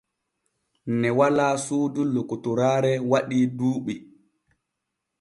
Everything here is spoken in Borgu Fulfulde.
Ne walaa suudu lokotoraare waɗii duuɓi.